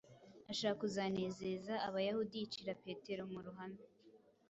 ashaka kuzanezeza Abayahudi yicira Petero mu ruhame.